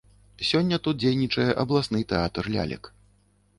Сёння тут дзейнічае абласны тэатр лялек.